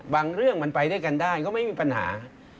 เรื่องมันไปด้วยกันได้ก็ไม่มีปัญหา